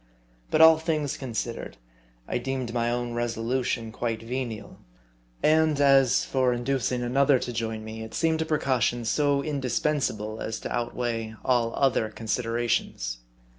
But all things considered, I deemed my own resolution quite venial ; and as for inducing another to join me, it seemed a precaution 'so indispensable, as to outweigh all other considerations.